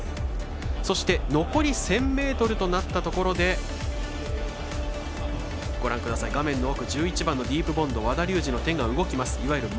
そして、残り１０００ｍとなったところで画面の奥１１番ディープボンドの和田竜二の手が動きます。